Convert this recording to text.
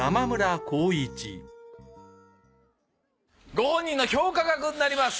ご本人の評価額になります。